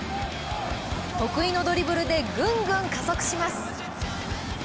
得意のドリブルでぐんぐん加速します。